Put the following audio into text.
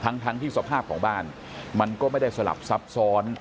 ทั้งที่สภาพของบ้านมันก็ไม่ได้สลับซับซ้อน